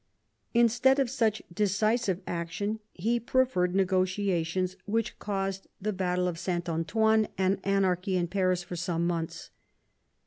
Instead of such decisive action, he preferred negotiations which caused the battle of T 114 MAZABIN CHAP. SaintrAntoine and anarchy in Paris for some months.